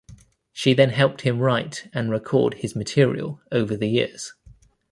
She then helped him write and record his material over the years.